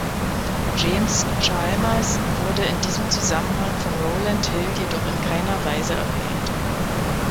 James Chalmers wurde in diesem Zusammenhang von Rowland Hill jedoch in keiner Weise erwähnt.